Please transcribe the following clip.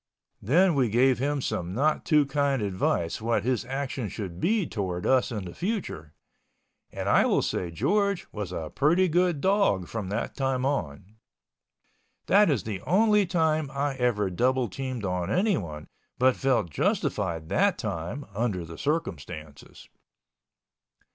Then we gave him some not too kind advice what his actions should be towards us in the future, and I will say George was a pretty good dog from that time on. That is the only time I ever double teamed on anyone but felt justified that time under the circumstances.